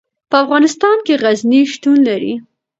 په افغانستان کې غزني شتون لري.